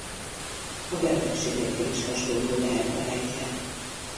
A betegségekkel is hasonló lehet a helyzet.